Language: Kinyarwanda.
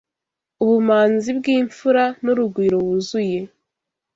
Ubumanzi bw'Imfura N'urugwiro wuzuye